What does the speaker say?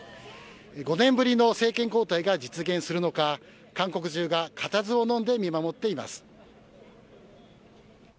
５年ぶりの政権交代が実現するのか韓国中が、かたずをのんで見守っています。